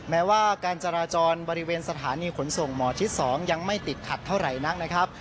แม้ว่าการจราจรบริเวณสถานีขนส่งหมอชิด๒ยังไม่ติดขัดเท่าไหร่นักนะครับ